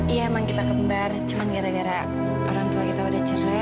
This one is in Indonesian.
iya emang kita kembar cuma gara gara orang tua kita udah cerai